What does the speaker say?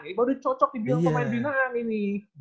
ini baru cocok di bilang pemain binaan ini